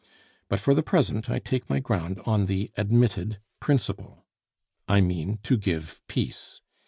But for the present I take my ground on the admitted principle. I mean to give peace.